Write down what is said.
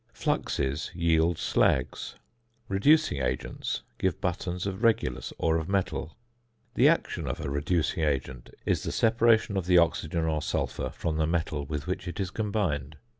Fluxes yield slags; reducing agents give buttons of regulus or of metal. The action of a reducing agent is the separation of the oxygen or sulphur from the metal with which it is combined.